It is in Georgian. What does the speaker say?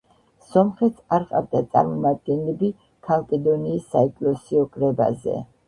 სომხეთს არ ჰყავდა წარმომადგენლები ქალკედონის საეკლესიო კრებაზე.